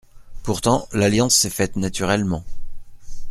Pourtant, l’alliance s’est faite naturellement.